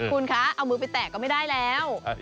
คุณคะเอามือไปแตกก็ไม่ได้แล้ว